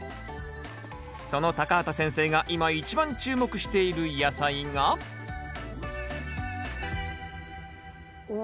その畑先生が今一番注目している野菜がお！